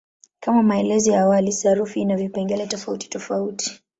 Kama maelezo ya awali, sarufi ina vipengele tofautitofauti.